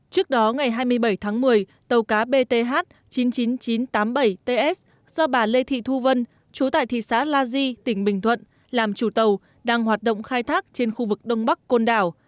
trước đó ngày hai mươi bảy tháng một mươi tàu cá bth chín nghìn chín trăm tám mươi bảy ts do bà lê thị thu vân chú tại thị xã la di tỉnh bình thuận làm chủ tàu đang hoạt động khai thác trên khu vực đông bắc côn đảo